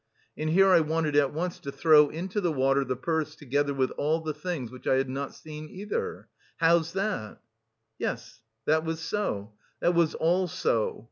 And here I wanted at once to throw into the water the purse together with all the things which I had not seen either... how's that?" Yes, that was so, that was all so.